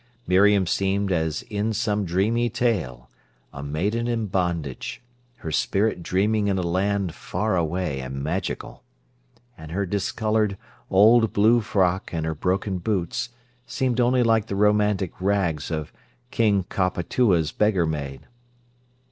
Miriam seemed as in some dreamy tale, a maiden in bondage, her spirit dreaming in a land far away and magical. And her discoloured, old blue frock and her broken boots seemed only like the romantic rags of King Cophetua's beggar maid.